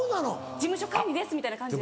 事務所管理ですみたいな感じで。